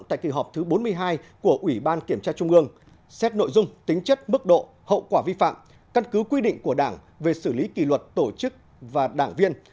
tại kỳ họp thứ bốn mươi hai của ủy ban kiểm tra trung ương xét nội dung tính chất mức độ hậu quả vi phạm căn cứ quy định của đảng về xử lý kỷ luật tổ chức và đảng viên